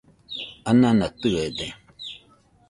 anana tɨede